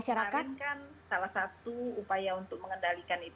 jadi kalau kemarin kan salah satu upaya untuk mengendalikan covid sembilan belas